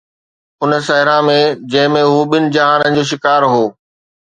ان صحرا ۾ جنهن ۾ هو ٻن جهانن جو شڪار هو